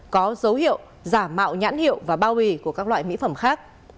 có dấu hiệu giả mạo nhãn hiệu và bao bì của các loại mỹ phẩm khác